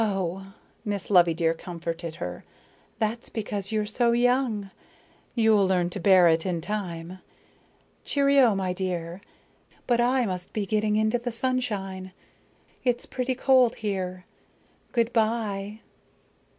"Oh" Miss Loveydear comforted her "that's because you're so young. You'll learn to bear it in time. Cheerio, my dear. But I must be getting into the sunshine. It's pretty cold here. Good by!"